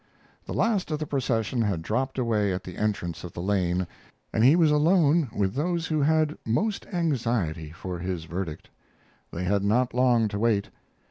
The last of the procession had dropped away at the entrance of the lane, and he was alone with those who had most anxiety for his verdict. They had not long to wait.